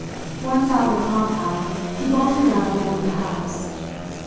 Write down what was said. Once out in the compound, he bolted round the end of the house.